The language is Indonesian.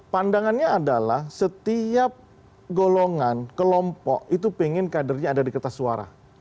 pandangannya adalah setiap golongan kelompok itu pengen kadernya ada di kertas suara